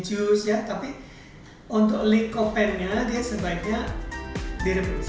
jus ya tapi untuk likopennya dia sebaiknya direbus